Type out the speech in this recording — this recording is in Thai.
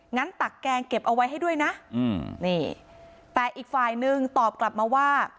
ตักแกงเก็บเอาไว้ให้ด้วยนะอืมนี่แต่อีกฝ่ายนึงตอบกลับมาว่า